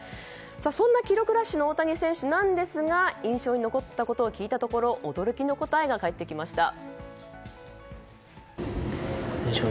そんな記録ラッシュの大谷選手ですが印象に残ったことを聞いたところ驚きの答えが返ってきました。